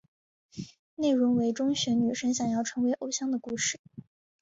内容为中学女生想要成为偶像的故事。